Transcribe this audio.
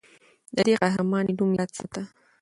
د دې قهرمانې نوم یاد ساته.